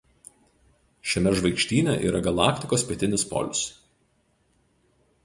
Šiame žvaigždyne yra galaktikos pietinis polius.